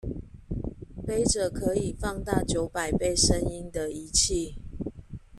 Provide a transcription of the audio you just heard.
揹著可以放大九百倍聲音的儀器